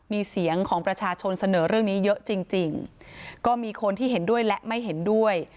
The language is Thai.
มีเสียงของประชาชนเสนอเรื่องนี้เยอะจริงจริงก็มีคนที่เห็นด้วยและไม่เห็นด้วย